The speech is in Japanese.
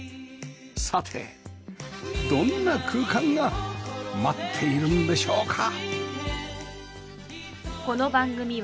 さてどんな空間が待っているんでしょうか？